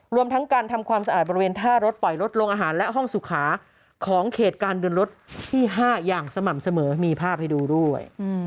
รวมทั้งการทำความสะอาดบริเวณท่ารถปล่อยรถลงอาหารและห้องสุขาของเขตการเดินรถที่๕อย่างสม่ำเสมอมีภาพให้ดูด้วย